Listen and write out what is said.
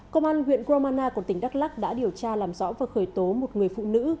công an huyện gromana của tỉnh đắk lắc đã điều tra làm rõ và khởi tố một người phụ nữ